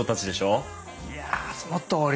いやそのとおり！